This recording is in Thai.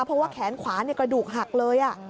เพราะว่าแขนขวากระดูกหักเลย